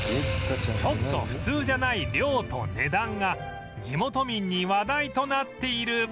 ちょっと普通じゃない量と値段が地元民に話題となっている